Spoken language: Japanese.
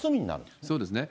そうですね。